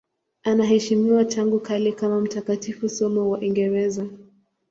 Anaheshimiwa tangu kale kama mtakatifu, somo wa Uingereza.